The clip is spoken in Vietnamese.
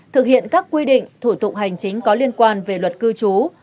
thực hiện các quy định thủ tục hành chính có liên quan về luật cư trú